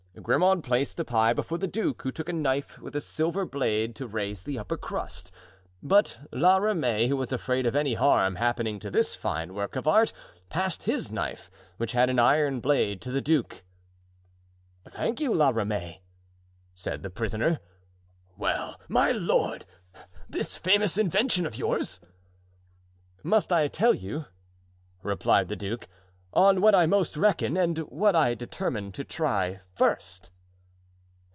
Grimaud placed the pie before the duke, who took a knife with a silver blade to raise the upper crust; but La Ramee, who was afraid of any harm happening to this fine work of art, passed his knife, which had an iron blade, to the duke. "Thank you, La Ramee," said the prisoner. "Well, my lord! this famous invention of yours?" "Must I tell you," replied the duke, "on what I most reckon and what I determine to try first?"